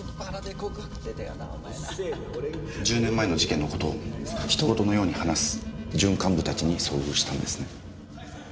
１０年前の事件の事を他人事のように話す準幹部たちに遭遇したんですね。